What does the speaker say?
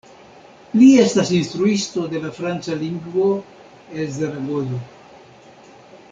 Li estas instruisto de la franca lingvo el Zaragozo.